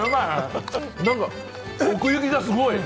奥行きがすごい！